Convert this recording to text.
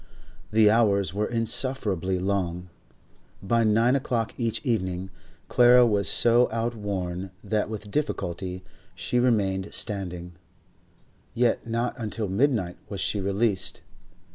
The hours were insufferably long; by nine o'clock each evening Clara was so outworn that with difficulty she remained standing, yet not until midnight was she released.